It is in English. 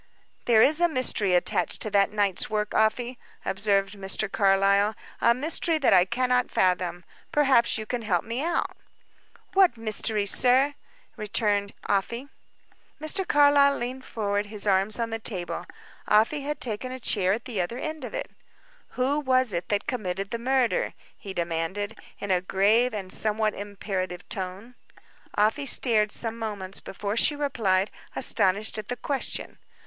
"There is a mystery attached to that night's work, Afy," observed Mr. Carlyle; "a mystery that I cannot fathom. Perhaps you can help me out." "What mystery, sir?" returned Afy. Mr. Carlyle leaned forward, his arms on the table. Afy had taken a chair at the other end of it. "Who was it that committed the murder?" he demanded, in a grave and somewhat imperative tone. Afy stared some moments before she replied, astonished at the question.